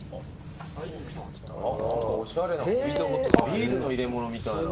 ビールの入れ物みたいな。